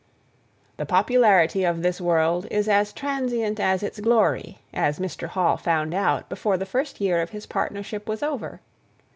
The popularity of this world is as transient as its glory, as Mr. Hall found out before the first year of his partnership was over.